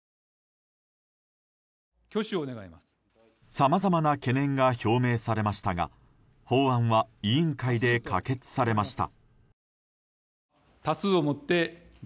さまざまな懸念が表明されましたが法案は委員会で可決されました。